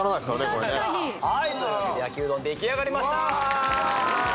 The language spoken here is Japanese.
これねはいというわけで焼きうどん出来上がりましたー